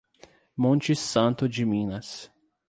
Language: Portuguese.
Monte Santo de Minas